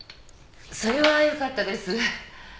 それはよかったです。